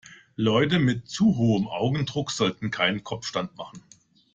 Leute mit zu hohem Augendruck sollten keinen Kopfstand machen.